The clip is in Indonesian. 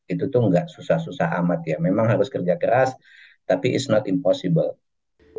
itu tuh nggak susah susah amat ya memang harus kerja keras tapi ⁇ its ⁇ not impossible